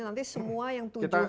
nanti semua yang tujuh